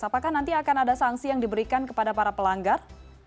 apakah nanti akan ada sanksi yang diberikan kepada para pelanggar